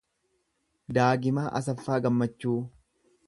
Daagimaa Asaffaa Gammachuu